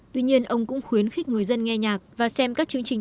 tuy nhiên ông cũng khuyến khích người dân nghe nhạc và xem các chương trình